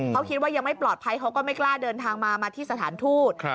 เขาคิดว่ายังไม่ปลอดภัยเขาก็ไม่กล้าเดินทางมามาที่สถานทูต